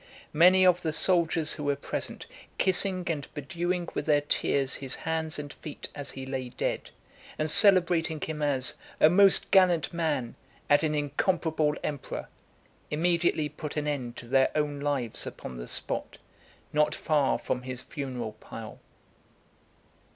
Many of the soldiers who were present, kissing and bedewing with their tears his hands and feet as he lay dead, and celebrating him as "a most gallant man, and an incomparable emperor," immediately put an end to their own lives upon the spot, not far from his funeral pile.